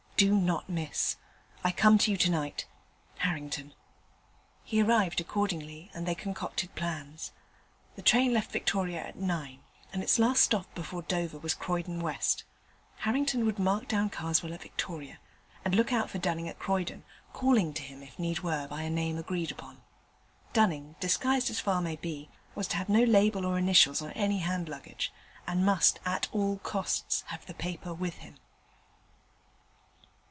Do not miss. I come to you to night. Harrington.' He arrived accordingly, and they concocted plans. The train left Victoria at nine and its last stop before Dover was Croydon West. Harrington would mark down Karswell at Victoria, and look out for Dunning at Croydon, calling to him if need were by a name agreed upon. Dunning, disguised as far as might be, was to have no label or initials on any hand luggage, and must at all costs have the paper with him.